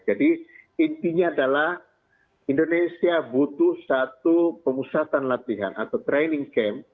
jadi intinya adalah indonesia butuh satu pemusatan latihan atau training camp